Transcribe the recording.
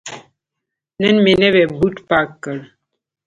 نن مې نوی بوټ پاک کړ.